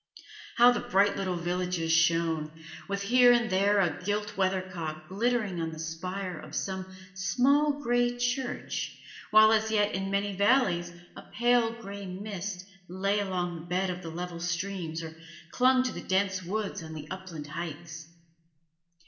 How the bright little villages shone, with here and there a gilt weathercock glittering on the spire of some small gray church, while as yet in many valleys a pale gray mist lay along the bed of the level streams or clung to the dense woods on the upland heights!